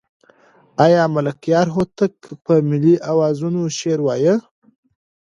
آیا ملکیار هوتک په ملي اوزانو شعر وایه؟